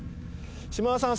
島田さん